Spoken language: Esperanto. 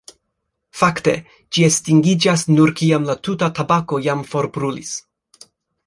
Fakte, ĝi estingiĝas nur kiam la tuta tabako jam forbrulis.